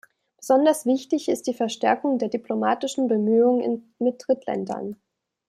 Besonders wichtig ist die Verstärkung der diplomatischen Bemühungen mit Drittländern.